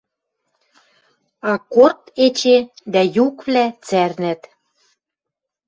Аккорд эче — дӓ юквлӓ цӓрнӓт.